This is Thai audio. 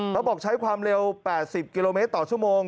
เขาบอกใช้ความเร็ว๘๐กิโลเมตรต่อชั่วโมง